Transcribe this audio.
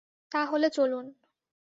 তা হলে চলুন।